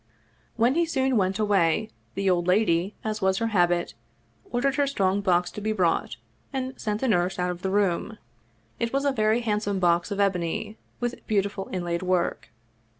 When he soon went away, the old lady, as was her habit, ordered her strong box to be brought, and sent the nurse out of the room. It was a very handsome box of ebony, with beautiful inlaid work.